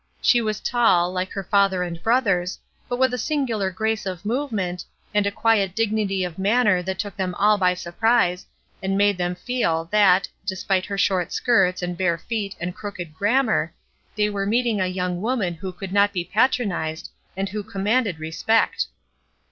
She was tall, like her father and brothers, but with a singular grace of movement, and a quiet dignity of man ner that took them all by surprise, and made them feel, that, despite her short skirts and bare feet and crooked grammar, they were meeting a young woman who could not be patronized, and who commanded respect.